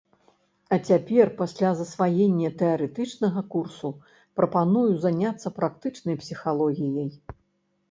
А цяпер, пасля засваення тэарэтычнага курсу, прапаную заняцца практычнай псіхалогіяй.